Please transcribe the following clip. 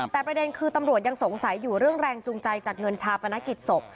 แต่ประเด็นคือตำรวจยังสงสัยอยู่เรื่องแรงจูงใจจากเงินชาปนกิจศพ